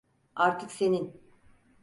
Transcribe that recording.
Artık senin.